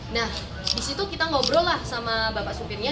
nah disitu kita ngobrol lah sama bapak supirnya